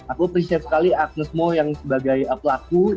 aku appreciate sekali agnez mo yang sebagai pelaku